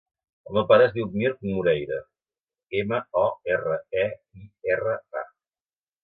El meu pare es diu Mirt Moreira: ema, o, erra, e, i, erra, a.